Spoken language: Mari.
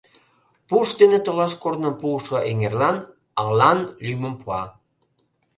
Пуш дене толаш корным пуышо эҥерлан Алан лӱмым пуа.